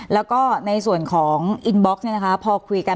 แล้วก็ในส่วนของอินบ็อกซ์พอคุยกัน